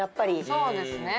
そうですね。